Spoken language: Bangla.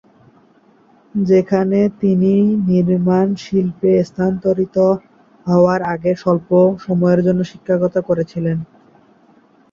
সেখানে তিনি নির্মাণ শিল্পে স্থানান্তরিত হওয়ার আগে অল্প সময়ের জন্য শিক্ষকতা করেছিলেন।